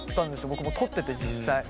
僕もう撮ってて実際。